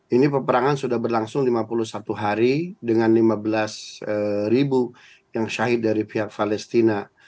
ini peperangan sudah berlangsung lima puluh satu hari dengan lima belas ribu yang syahid dari pihak palestina